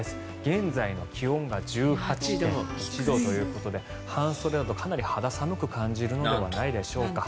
現在の気温が１８．１度ということで半袖だとかなり肌寒く感じるのではないでしょうか。